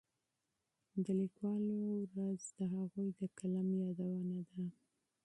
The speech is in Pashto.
د لیکوالو ورځ د هغوی د قلم یادونه ده.